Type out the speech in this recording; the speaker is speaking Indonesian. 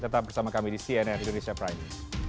tetap bersama kami di cnn indonesia prime